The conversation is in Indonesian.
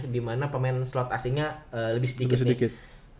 dimana pemain slot asingnya lebih sedikit sedikit